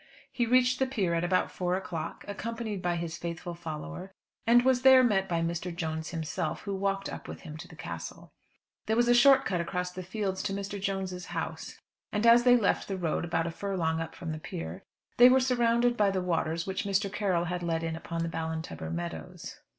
He reached the pier at about four o'clock, accompanied by his faithful follower, and was there met by Mr. Jones himself, who walked up with him to the Castle. There was a short cut across the fields to Mr. Jones's house; and as they left the road about a furlong up from the pier, they were surrounded by the waters which Mr. Carroll had let in upon the Ballintubber meadows.